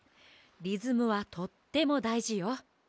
リズムはとってもだいじよ。